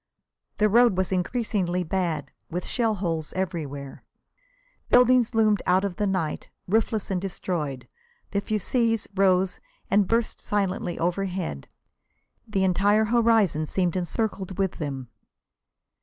The road was increasingly bad, with shell holes everywhere. Buildings loomed out of the night, roofless and destroyed. The fusées rose and burst silently overhead; the entire horizon seemed encircled with them.